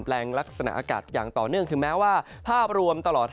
แรงลักษณะอากาศอย่างต่อเนื่องถึงแม้ว่าภาพรวมตลอด